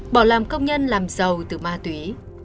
bỏ làm công nhân làm giàu từ ma túy